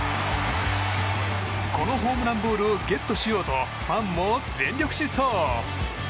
このホームランボールをゲットしようとファンも全力疾走！